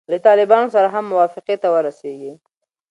له طالبانو سره هم موافقې ته ورسیږي.